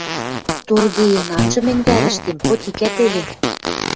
– Торгеен анжы мӹнь вӓрӹштем, потикӓ теве...